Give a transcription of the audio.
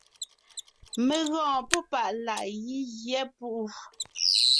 Mé gɔɔn póŋ páʼ láʼ gí gyɛ́ púʼu.